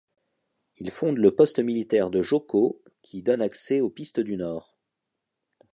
Il fonde le poste militaire de Joko qui donne accès aux pistes du nord.